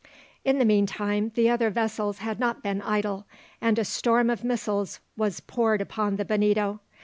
In the meantime the other vessels had not been idle, and a storm of missiles was poured upon the Bonito.